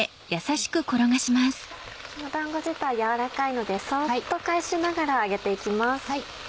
だんご自体軟らかいのでそっと返しながら揚げて行きます。